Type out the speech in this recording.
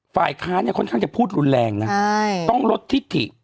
ฝ่ายค้าเนี่ยค่อนข้างจะพูดรุนแรงนะต้องลดทิศถิ